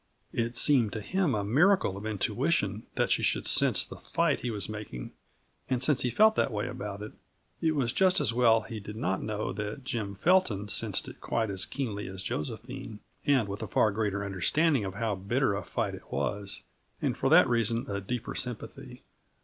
It seemed to him a miracle of intuition, that she should sense the fight he was making; and since he felt that way about it, it was just as well he did not know that Jim Felton sensed it quite as keenly as Josephine and with a far greater understanding of how bitter a fight it was, and for that reason a deeper sympathy.